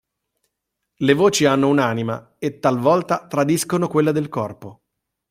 Le voci hanno un'anima e talvolta tradiscono quella del corpo.